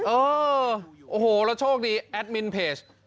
เออโอ้โหแล้วโชคดีแอดมินเพจ